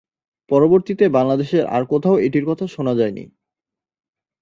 পরবর্তীতে বাংলাদেশের আর কোথাও এটির কথা শোনা যায়নি।